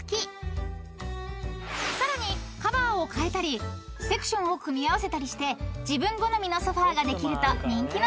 ［さらにカバーを変えたりセクションを組み合わせたりして自分好みのソファができると人気の商品］